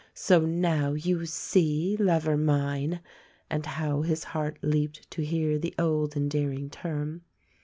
So, now, you see, lover mine! (And how his heart leaped to hear the old, endearing term!)